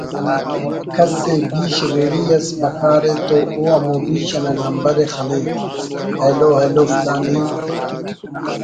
کسءِ بیش ریڑی اس بکار ءِ تو او ہمو بیش نا نمبرءِ خلے……ہلو ہلو فلانی